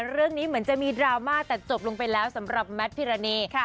เรื่องนี้เหมือนจะมีดราม่าแต่จบลงไปแล้วสำหรับแมทพิรณี